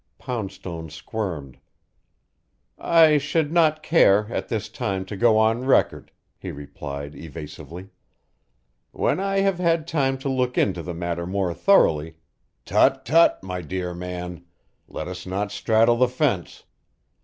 Poundstone squirmed. "I should not care, at this time, to go on record," he replied evasively. "When I have had time to look into the matter more thoroughly " "Tut tut, my dear man! Let us not straddle the fence.